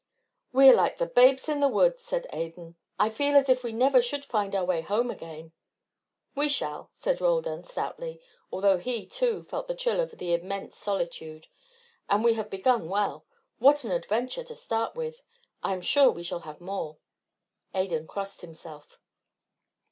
"We are like the babes in the wood," said Adan. "I feel as if we never should find our way home again." "We shall," said Roldan, stoutly; although he, too, felt the chill of the immense solitude. "And we have begun well! What an adventure to start with! I am sure we shall have more." Adan crossed himself.